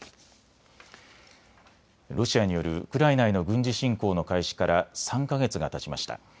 ロシアによるウクライナへの軍事侵攻の開始から３か月がたちました。